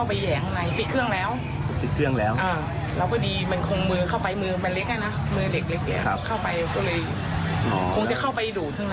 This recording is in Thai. อาจจะเป็นขาดอันนี้ยังน้อยต่อไปก็ไม่แน่อะไร